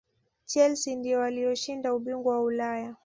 chelsea ndiyo waliyoshinda ubingwa wa ulaya